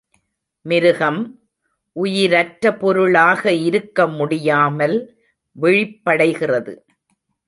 மிருகம், உயிரற்ற பொருளாக இருக்க முடியாமல், விழிப்படைகிறது.